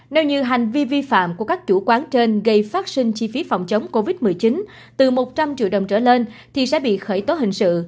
nếu như hành vi vi phạm của các chủ quán trên gây phát sinh chi phí phòng chống covid một mươi chín từ một trăm linh triệu đồng trở lên thì sẽ bị khởi tố hình sự